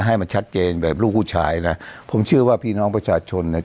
ให้มันชัดเจนแบบลูกผู้ชายนะผมเชื่อว่าพี่น้องประชาชนเนี่ย